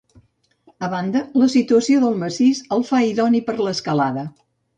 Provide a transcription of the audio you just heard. A banda, la situació del massís el fa idoni per a l’escalada.